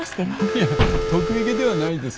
いえ得意げではないですし